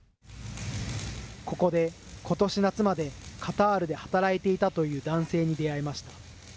ここでことし夏までカタールで働いていたという男性に出会いました。